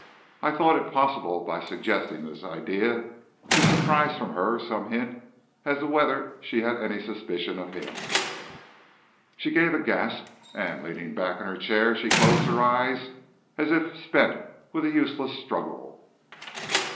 I thought it possible by suggesting this idea, to surprise from her some hint as to whether she had any suspicion of him. She gave a gasp, and, leaning back in her chair, she closed her eyes, as if spent with a useless struggle.